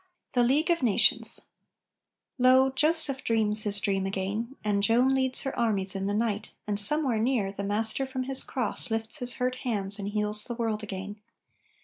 THE LEAGUE OF NATIONS Lo, Joseph dreams his dream again, And Joan leads her armies in the night, And somewhere near, the Master from His cross Lifts his hurt hands and heals the world again!